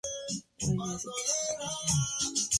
Luego de varios días decidió abandonar la búsqueda.